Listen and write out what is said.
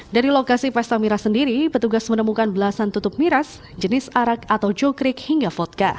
dari lokasi pesta miras sendiri petugas menemukan belasan tutup miras jenis arak atau jokrik hingga vodka